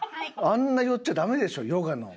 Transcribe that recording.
あんな寄っちゃダメでしょヨガの。